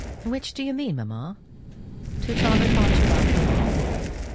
"Which do you mean, mamma? 'Tu t'en repentiras, Colin?'"